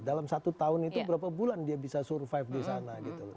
dalam satu tahun itu berapa bulan dia bisa survive di sana gitu loh